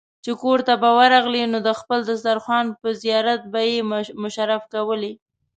چې کورته به ورغلې نو د خپل دسترخوان په زيارت به يې مشرف کولې.